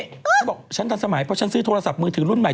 ฉันบอกฉันทันสมัยเพราะฉันซื้อโทรศัพท์มือถือรุ่นใหม่